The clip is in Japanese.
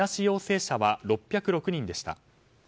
陽性者は６０６人でした。